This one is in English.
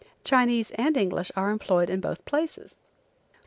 Chinese and English are employed in both places.